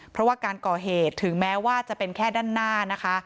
เพราะว่าการก่อเหตุถึงแม้ว่าจะเป็นแค่ด้านหน้านะคะ